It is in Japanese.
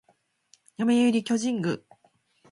読売巨人軍